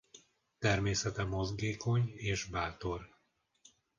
Természete mozgékony és bátor.